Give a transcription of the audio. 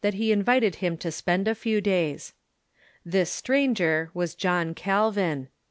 i r t m, • lie invited him to spend a tew days. Ihis stranger was John Calvin.